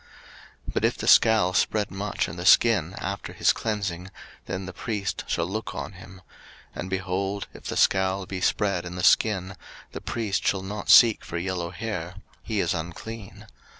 03:013:035 But if the scall spread much in the skin after his cleansing; 03:013:036 Then the priest shall look on him: and, behold, if the scall be spread in the skin, the priest shall not seek for yellow hair; he is unclean.